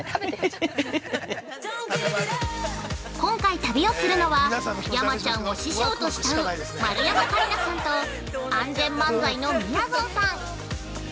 今回旅をするのは、山ちゃんを師匠と慕う、丸山桂里奈さんと、ＡＮＺＥＮ漫才のみやぞんさん。